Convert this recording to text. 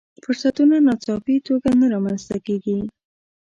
فرصتونه ناڅاپي توګه نه رامنځته کېږي.